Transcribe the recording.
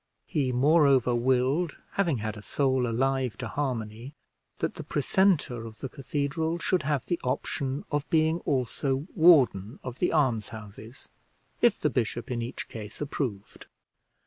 He, moreover, willed, having had a soul alive to harmony, that the precentor of the cathedral should have the option of being also warden of the almshouses, if the bishop in each case approved.